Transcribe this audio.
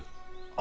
あ。